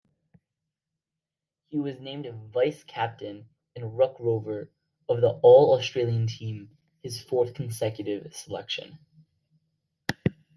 He was named vice-captain and ruck-rover of the All-Australian team, his fourth consecutive selection.